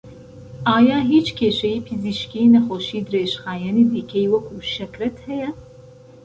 ئایا هیچ کێشەی پزیشکی نەخۆشی درێژخایەنی دیکەی وەکوو شەکرەت هەیە؟